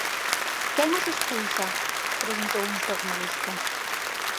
Quen os expulsa?, preguntou un xornalista.